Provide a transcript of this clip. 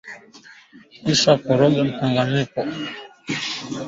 Kisha koroga mchanganyiko